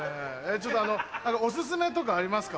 ちょっとあのオススメとかありますか？